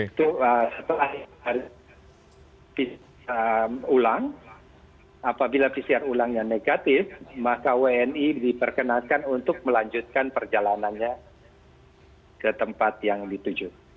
itu setelah ulang apabila pcr ulangnya negatif maka wni diperkenankan untuk melanjutkan perjalanannya ke tempat yang dituju